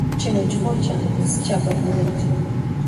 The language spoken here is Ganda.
Kino ekifo kyange si kya Gavumenti.